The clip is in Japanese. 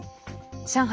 上海